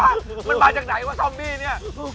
มันมาจากไหนวะทอมมี่เนี่ย